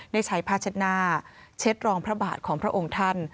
ได้ใช้ผ้าเช็ดหน้าเช็ดรองพระบาทของพระองค์ท่าน